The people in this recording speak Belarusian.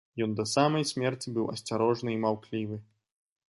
Ён да самай смерці быў асцярожны і маўклівы.